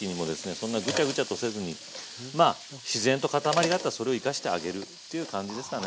そんなグチャグチャとせずにまあ自然と塊があったらそれを生かしてあげるっていう感じですかね。